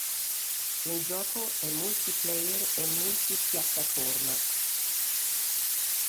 Il gioco è multiplayer e multipiattaforma.